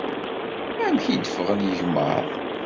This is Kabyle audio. Amek i d-ffɣen yigmaḍ?